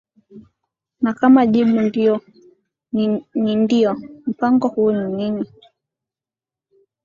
na kama jibu ni ndiyo mpango huo ni nini